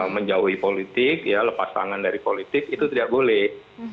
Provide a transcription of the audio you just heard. menjauhi politik ya lepas tangan dari politik itu tidak boleh